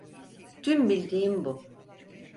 Tüm bildiğim bu.